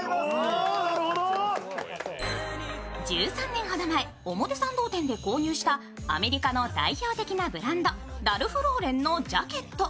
１３年ほど前表参道店で購入したアメリカの代表的なブランドラルフローレンのジャケット。